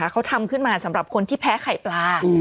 เขาทำขึ้นมาสำหรับคนที่แพ้ไข่ปลา